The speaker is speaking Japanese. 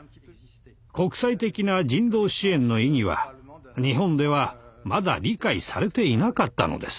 国際的な人道支援の意義は日本ではまだ理解されていなかったのです。